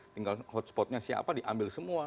tinggal hotspotnya siapa diambil semua